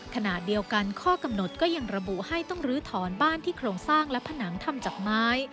ขณะเดียวกันข้อกำหนดก็ยังระบุให้ต้องลื้อถอนบ้านที่โครงสร้างและผนังทำจากไม้